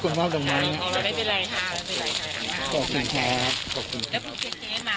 คนวอบดอกไม้อ๋อเราไม่เป็นไรค่ะเราไม่เป็นไรค่ะขอบคุณค่ะขอบคุณค่ะ